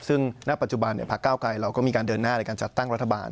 ซึ่งณปัจจุบันพักเก้าไกรเราก็มีการเดินหน้าในการจัดตั้งรัฐบาล